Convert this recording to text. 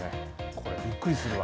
これ、びっくりするわ。